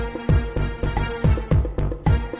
กินโทษส่องแล้วอย่างนี้ก็ได้